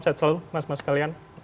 sehat selalu mas mas kalian